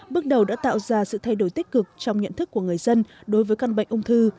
bước đầu đã tạo ra sự thay đổi tích cực trong nhận thức của người dân đối với căn bệnh ung thư